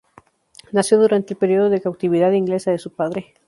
Nació durante el período de "cautividad" inglesa de su padre.